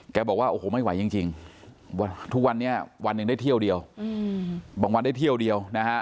บอกว่าโอ้โหไม่ไหวจริงทุกวันนี้วันหนึ่งได้เที่ยวเดียวบางวันได้เที่ยวเดียวนะฮะ